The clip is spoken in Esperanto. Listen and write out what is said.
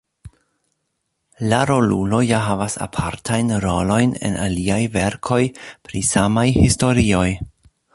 La rolulo ja havas apartajn rolojn en aliaj verkoj pri samaj historioj.